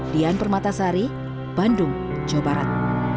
dian permatasari bandung jawa barat